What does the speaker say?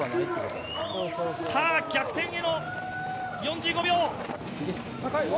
さあ、逆転への４５秒。